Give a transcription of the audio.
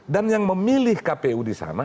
dan yang memilih kpu disana